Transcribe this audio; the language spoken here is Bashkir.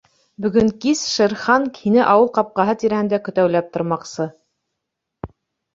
Бөгөн кис Шер Хан һине ауыл ҡапҡаһы тирәһендә көтәүләп тормаҡсы.